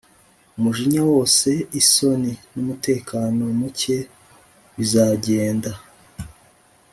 umujinya wose, isoni, numutekano muke bizagenda.